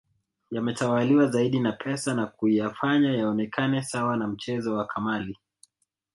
Yametawaliwa zaidi na pesa na kuyafanya yaonekane sawa na mchezo wa kamali